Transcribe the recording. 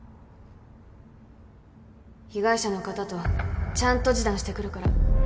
被害者の方とちゃんと示談してくるから